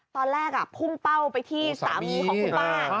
ตอนแรกพุ่งเป้าไปที่สามีของคุณป้า